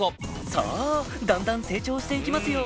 さぁだんだん成長して行きますよ